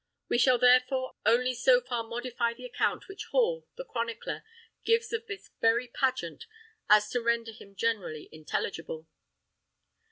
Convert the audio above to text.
We shall therefore only so far modify the account which Hall, the chronicler, gives of this very pageant, as to render him generally intelligible.